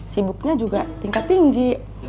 sibuknya juga tingkat tinggi